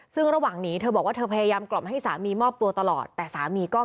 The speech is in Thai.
ซึ่งพ่อจะได้ก่อน